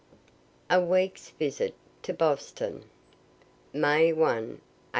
A WEEK'S VISIT TO BOSTON _May 1, '81.